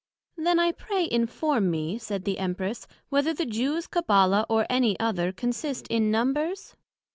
Then I pray inform me, said the Empress, Whether the Jews Cabbala or any other, consist in Numbers?